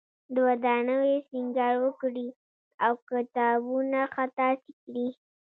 د ودانیو سینګار وکړي او کتابونه خطاطی کړي.